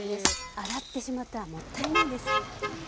洗ってしまったらもったいないです。